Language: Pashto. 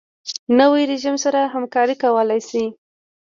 نوی رژیم سره همکاري کولای شي.